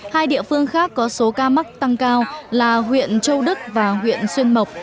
hai địa phương khác có số ca mắc tăng cao là huyện châu đức và huyện xuyên mộc